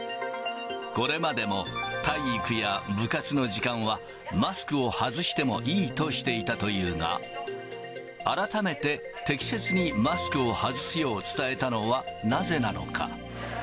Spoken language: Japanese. これまでも体育や部活の時間は、マスクを外してもいいとしていたというが、改めて適切にマスクを外すよう伝えたのはなぜなのか。